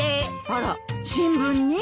あら新聞に？